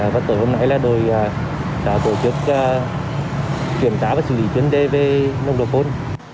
và tối hôm nay là đội đã tổ chức kiểm tra và xử lý chuyên đề về nồng độ cồn